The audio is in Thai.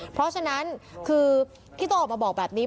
เพราะฉะนั้นคือที่ต้องออกมาบอกแบบนี้